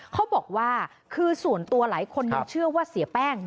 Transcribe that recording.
เขาบอกว่าคือส่วนตัวหลายคนยังเชื่อว่าเสียแป้ง